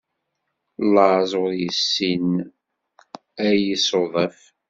Laẓ ur yessin a isuḍaf.